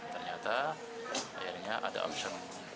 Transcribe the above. ternyata akhirnya ada opsiun